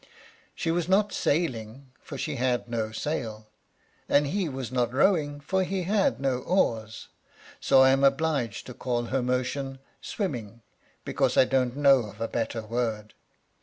She was not sailing, for she had no sail, and he was not rowing, for he had no oars; so I am obliged to call her motion swimming, because I don't know of a better word.